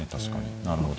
なるほど。